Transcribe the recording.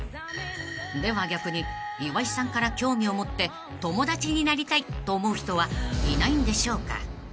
［では逆に岩井さんから興味を持って友達になりたいと思う人はいないんでしょうか？］